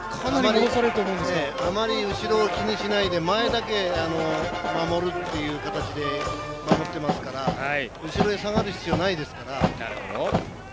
あまり後ろを気にしないで前だけ守るっていう形で守っていますから後ろに下がる必要がないですから。